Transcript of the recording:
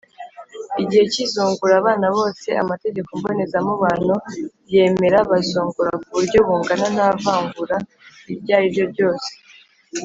igihe cy’izungura, abana bose amategeko mbonezamubano yemera bazungura ku buryo bungana nta vangura iryari ryo ryose.